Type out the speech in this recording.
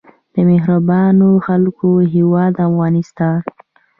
د مهربانو خلکو هیواد افغانستان.